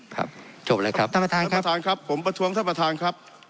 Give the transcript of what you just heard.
ถึงย่าจริงก็ตามแต่ว่าเก่าหาข้อมีความวิธิภาคศาชัดเรียบร้อยนะครับ